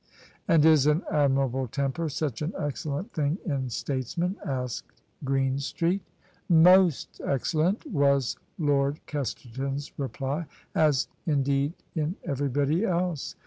" And is an admirable temper such an excellent thing in statesmen ?" asked GreenstreeL "Most excellent," was Lord Kesterton's reply: "as in deed in everybody else.